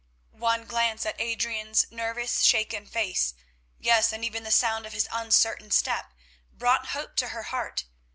One glance at Adrian's nervous, shaken face, yes, and even the sound of his uncertain step brought hope to her heart.